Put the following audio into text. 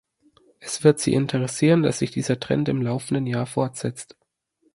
Es wird Sie interessieren, dass sich dieser Trend im laufenden Jahr fortsetzt.